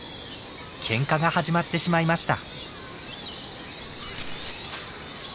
けんかが始まってしまいました。